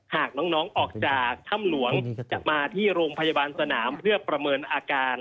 หากน้องออกจากถ้ำหลวงจะมาที่โรงพยาบาลสนามเพื่อประเมินอาการ